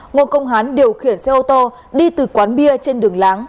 ngô công hán điều khiển xe ô tô đi từ quán bia trên đường láng